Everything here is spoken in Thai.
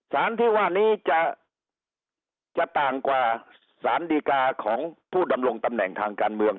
สารที่ว่านี้จะต่างกว่าสารดีกาของผู้ดำรงตำแหน่งทางการเมือง